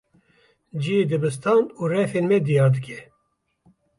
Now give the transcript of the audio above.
Cihê dibistan û refên me diyar dike.